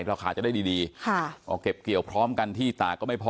ราคาจะได้ดีดีค่ะเอาเก็บเกี่ยวพร้อมกันที่ตากก็ไม่พอ